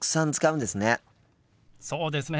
そうですね。